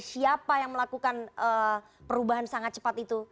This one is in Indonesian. siapa yang melakukan perubahan sangat cepat itu